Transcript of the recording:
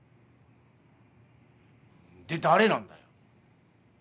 で誰なんだよ